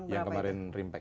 yang kemarin rimpek